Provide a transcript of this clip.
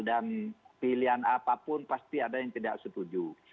dan pilihan apapun pasti ada yang tidak setuju